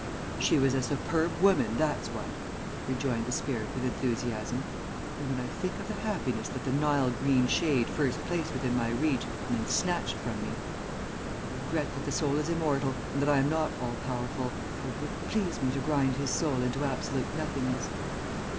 "She was a superb woman, that's what," rejoined the spirit with enthusiasm, "and when I think of the happiness that the Nile green shade first placed within my reach and then snatched from me, I regret that the soul is immortal, and that I am not all powerful, for it would please me to grind his soul into absolute nothingness.